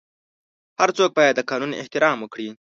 هر څوک باید د قانون احترام وکړي.